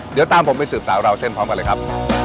เดี๋ยวตามผมไปสืบสาวราวเส้นพร้อมกันเลยครับ